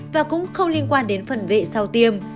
và cũng không liên quan đến phần vệ sau tiêm